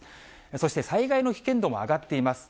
そして災害の危険度も上がっています。